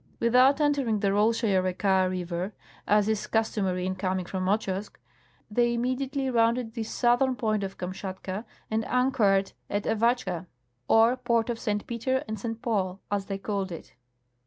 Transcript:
Without entering the Rolschaia Eeka river, as is customary in coming from Ochozk, they im mediately rounded the southern point of Kamshatka and anchored at Avatscha, or port of St. Peter and St. Paul, as they caUed it.